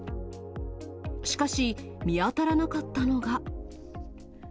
しかし、見当たらなかったのが。